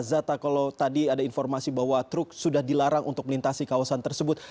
zata kalau tadi ada informasi bahwa truk sudah dilarang untuk melintasi kawasan tersebut